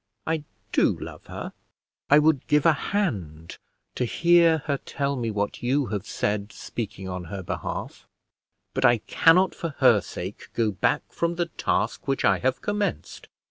I do love her: I would give a hand to hear her tell me what you have said, speaking on her behalf; but I cannot for her sake go back from the task which I have commenced.